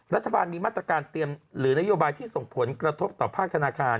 รัฐบาลมีมาตรการเตรียมหรือนโยบายที่ส่งผลกระทบต่อภาคธนาคาร